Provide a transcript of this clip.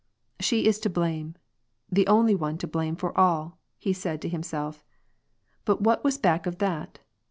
" She is to blame, the only one to blame for all," said he to himself. "But what was back of that